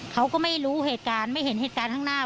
เขามาเรน๒เขาก็ไม่เห็นเหตุการณ์ทางหน้า